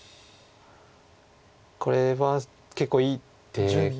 これは結構いい手で。